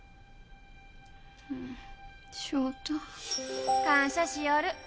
翔太感謝しよる